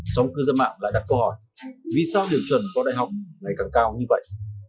song cư dân mạng lại đặt câu hỏi vì sao điểm chuẩn vào đại học ngày càng cao như vậy